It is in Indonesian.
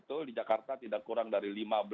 betul di jakarta tidak kurang dari lima belas